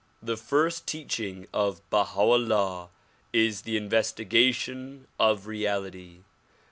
The first teaching of Baha 'IJllah is the investigation of reality.